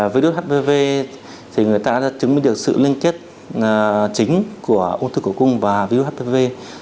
virus hpv thì người ta đã chứng minh được sự liên kết chính của ung thư cổ cung và virus hpv